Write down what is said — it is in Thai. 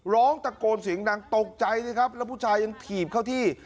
ร้องตะโกนเสียงดังตกใจสิครับแล้วผู้ชายยังถีบเข้าที่